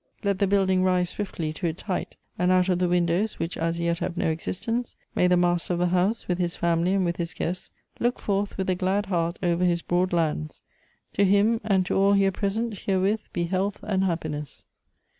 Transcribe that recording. Let the building rise 78 Goethe's swiftly to its height, and out of the windows, which as yet have no existence, may the master of the house, with his family and with his guests, look forth with a glad heart over his broad lands. To him and to all here present herewith be health and happiness."